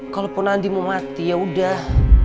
kalaupun andi mau mati yaudah